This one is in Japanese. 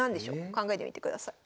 考えてみてください。